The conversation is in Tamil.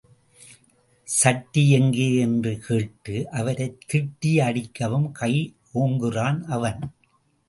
சட்டி எங்கே என்று கேட்டு, அவரைத் திட்டி அடிக்கவும் கை ஓங்குகிறான் அவன்.